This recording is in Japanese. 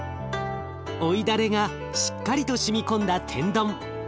追いだれがしっかりとしみ込んだ天丼。